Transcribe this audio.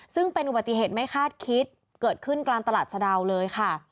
ซึ่งเป็นอุบัติเหตุไม่คาดคิดเกิดขึ้นกลางตลาดสะดาวเลยค่ะ